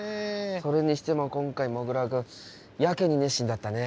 それにしても今回もぐら君やけに熱心だったね。